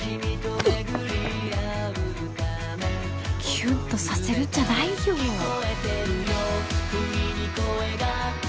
キュンとさせるんじゃないよぜ